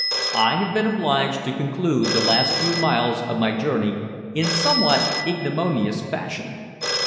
I have been obliged to conclude the last few miles of my journey in somewhat ignominious fashion.